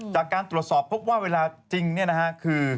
จากการตรวจสอบพบว่าเวลาจริงคือ